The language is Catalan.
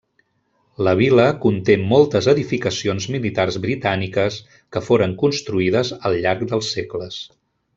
La vila conté moltes edificacions militars britàniques que foren construïdes al llarg dels segles.